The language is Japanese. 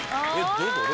どういうこと？